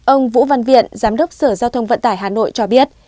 ông vũ văn viện giám đốc sở giao thông vận tải hà nội cho biết